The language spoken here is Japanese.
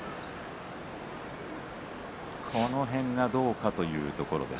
この辺がどうかというところです。